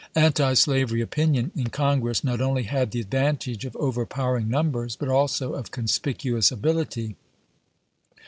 Antislavery opinion in Con gress not only had the advantage of overpowering numbers, but also of conspicuous ability.